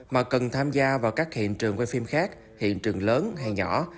mà cần tham gia vào các hiện trường quay phim khác hiện trường lớn hay nhỏ